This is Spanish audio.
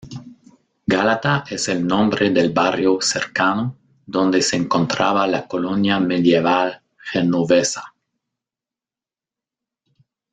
Gálata es el nombre del barrio cercano, donde se encontraba la colonia medieval genovesa.